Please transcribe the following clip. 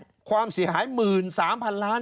ชีวิตกระมวลวิสิทธิ์สุภาณฑ์